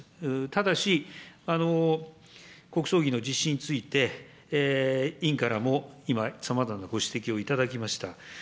ただし、国葬儀の実施について、委員からも今、さまざまなご指摘をいただきました。